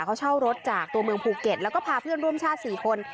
เขาเช่ารถจากตัวเมืองภูเก็ตแล้วก็พาเพื่อนร่วมชาติ๔คน